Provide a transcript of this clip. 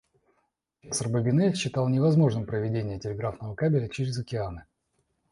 Профессор Бабине считал невозможным проведение телеграфного кабеля через океаны.